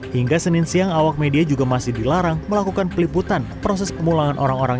hingga senin siang awak media juga masih dilarang melakukan peliputan proses pemulangan orang orang